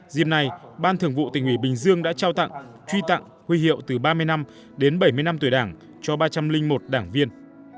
dìm nay ban thường vụ tỉnh ủy bình dương đã trao tặng truy tặng huy hiệu từ ba mươi năm đến bảy mươi năm tuổi đảng cho ba trăm linh một đảng viên